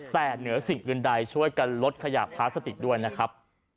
แต่เหนือสิ่งอื่นใดช่วยกันลดขยะพลาสติกด้วยนะครับ